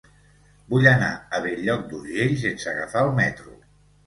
Vull anar a Bell-lloc d'Urgell sense agafar el metro.